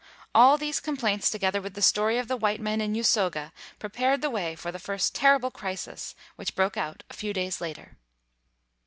All these complaints together with the story of the white men in Usoga prepared the way for the first terrible crisis which broke out a few days later.